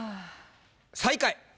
最下位。